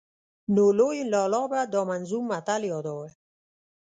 نو لوی لالا به دا منظوم متل ياداوه.